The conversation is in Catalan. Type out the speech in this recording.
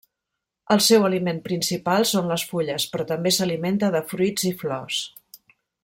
El seu aliment principal són les fulles, però també s'alimenta de fruits i flors.